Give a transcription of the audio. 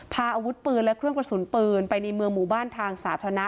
พาอาวุธปืนและเครื่องกระสุนปืนไปในเมืองหมู่บ้านทางสาธารณะ